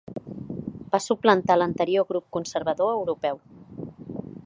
Va suplantar l'anterior Grup Conservador Europeu.